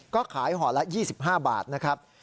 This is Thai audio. ก็ขายห่อละ๒๕บาทนะครับ